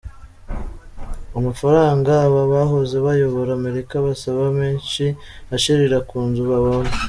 Amafaranga aba bahoze bayobora Amerika basaba amenshi ashirira ku nzu babamo.